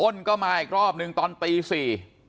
อ้นก็มาอีกรอบนึงตอนตีสี่